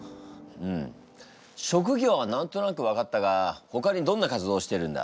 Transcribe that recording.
うん職業は何となく分かったがほかにどんな活動をしてるんだ？